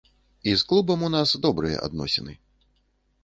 І з клубам у нас добрыя адносіны.